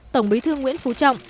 tổng bí thư nguyễn phú trọng